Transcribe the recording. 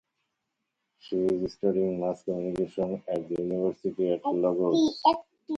She is studying Mass Communication at the University of Lagos.